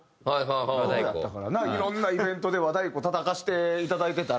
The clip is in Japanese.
いろんなイベントで和太鼓たたかせていただいてたら。